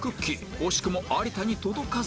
惜しくも有田に届かず